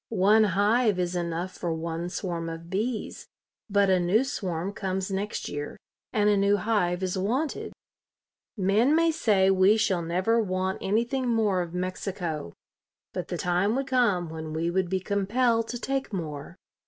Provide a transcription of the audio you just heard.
One hive is enough for one swarm of bees, but a new swarm comes next year and a new hive is wanted." Men may say we shall never want anything more of Mexico, but the time would come when we would be compelled to take more.